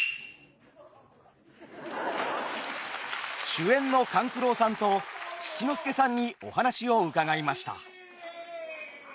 主演の勘九郎さんと七之助さんにお話を伺いました。